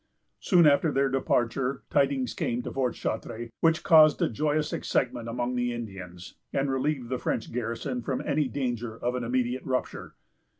Soon after their departure, tidings came to Fort Chartres, which caused a joyous excitement among the Indians, and relieved the French garrison from any danger of an immediate rupture.